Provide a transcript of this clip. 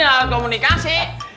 ini alat komunikasi